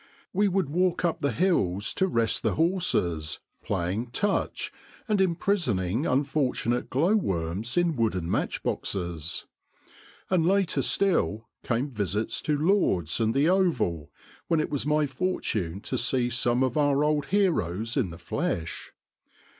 We would walk up the hills to rest the horses, playing " touch " and imprisoning unfortunate glow worms in wooden matchboxes. And later still came visits to Lord's and the Oval, when it was my fortune to see some of our old heroes in the flesh.